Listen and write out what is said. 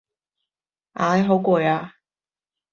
唉，好攰呀